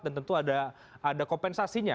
dan tentu ada kompensasinya